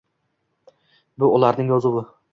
Bu ularning yozug‘i.